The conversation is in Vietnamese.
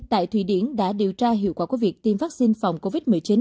tại thụy điển đã điều tra hiệu quả của việc tiêm vaccine phòng covid một mươi chín